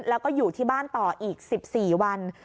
แล้วก็อยู่ที่บ้านต่ออีก๑๔วัน